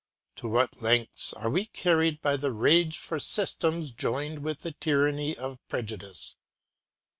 To what lengths are we carried by the rage for systems joined with the tyranny of prejudice!